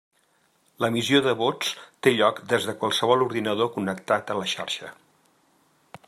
L'emissió de vots té lloc des de qualsevol ordinador connectat a la xarxa.